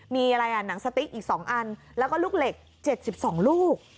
มีอะไรอ่ะหนังสติ๊กอีก๒อันแล้วก็ลูกเหล็ก๗๒ลูก